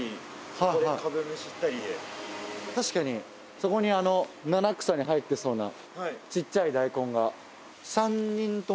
確かにそこに七草に入ってそうな小っちゃい大根が。